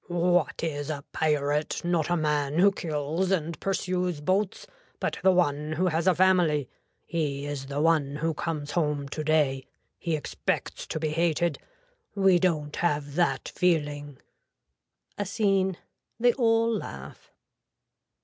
What is a pirate not a man who kills and pursues boats but the one who has a family, he is the one who comes home today, he expects to be hated. We don't have that feeling. A scene. They all laugh.